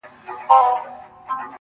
پوهېږې په جنت کي به همداسي ليونی یم,